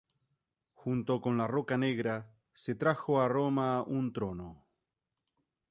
Junto con la roca negra, se trajo a Roma un trono.